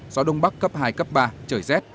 gió đông bắc cấp hai cấp ba trời rét